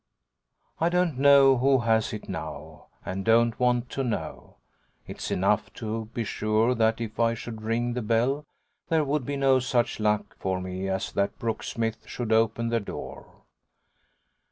I don't know who has it now, and don't want to know; it's enough to be so sure that if I should ring the bell there would be no such luck for me as that Brooksmith should open the door.